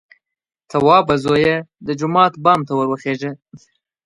_توابه زويه! د جومات بام ته ور وخېژه!